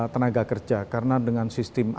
tenaga kerja karena dengan sistem